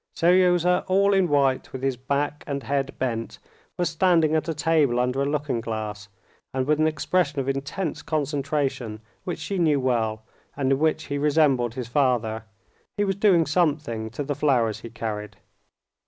Seryozha, all in white, with his back and head bent, was standing at a table under a looking glass, and with an expression of intense concentration which she knew well, and in which he resembled his father, he was doing something to the flowers he carried.